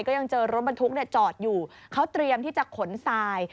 ก็ยังเจอรถบรรทุกจอดอยู่เขาเตรียมที่จะขนทราย